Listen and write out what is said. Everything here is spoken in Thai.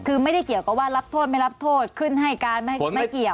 คือไม่ได้เกี่ยวกับว่ารับโทษไม่รับโทษขึ้นให้การไม่เกี่ยว